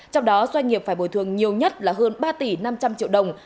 trong đó doanh nghiệp phải bồi thường nhiều nhất là hơn ba tỷ năm trăm linh triệu đồng